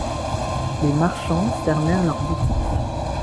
Les marchands fermèrent leurs boutiques.